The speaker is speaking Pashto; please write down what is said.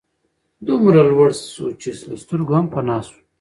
دومره لوړ سو چي له سترګو هم پناه سو